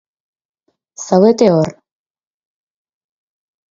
Zaudete hor!